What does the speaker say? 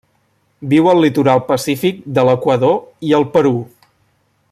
Viu al litoral pacífic de l'Equador i el Perú.